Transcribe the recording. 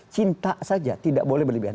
cinta saja tidak boleh berlebihan